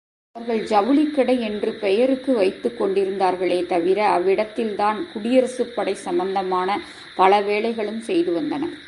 அவர்கள்.ஜவுளிக்கடை என்று பெயருக்கு வைத்துக் கொண்டிருந்தார்களே தவிர அவ்விடத்தில்தான் குடியரசுப்படை சம்பந்தமான பல வேலைகளும் செய்து வந்தனர்.